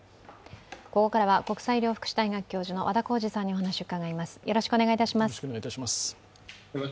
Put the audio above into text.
ここからは国際医療福祉大学教授の和田耕治さんに話を伺います。